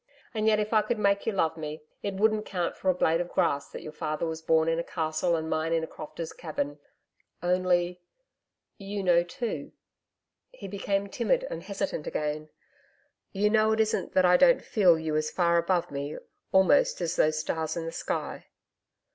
And yet, if I could make you love me, it wouldn't count for a blade of grass that your father was born in a castle and mine in a crofter's cabin.... Only you know too ' he became timid and hesitant again 'you know it isn't that I don't feel you as far above me, almost, as those stars in the sky....'